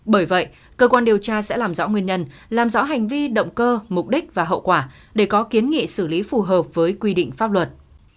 bởi vậy cơ quan điều tra sẽ làm rõ nguyên nhân làm rõ hành vi động cơ mục đích và hậu quả để có kiến nghị xử lý phù hợp với quy định pháp luật